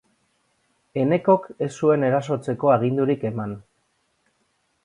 Enekok ez zuen erasotzeko agindurik eman.